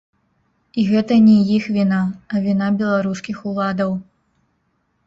І гэта не іх віна, а віна беларускіх уладаў.